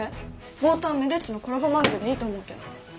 冒頭はめでっちのコラボまんじゅうでいいと思うけど。